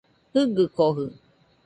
Jɨgɨkojɨ